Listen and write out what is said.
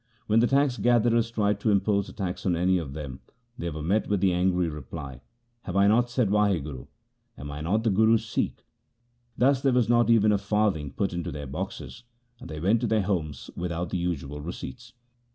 When the tax gatherers tried to impose a tax on any of them, they were met with the angry reply, ' Have I not said Wahguru ? Am I not the Guru's Sikh ?' Thus there was not even a farthing put into their boxes, and they went to their homes without the usual receipts.